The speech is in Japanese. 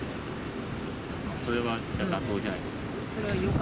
それは妥当じゃないですか。